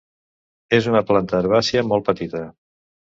És una planta herbàcia molt petita.